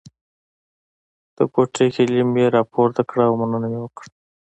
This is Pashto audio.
د کوټې کیلي مې راپورته کړه او مننه مې وکړه.